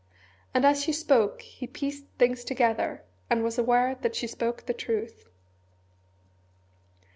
And as she spoke he pieced things together, and was aware that she spoke the truth.